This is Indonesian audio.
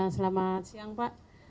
selamat siang pak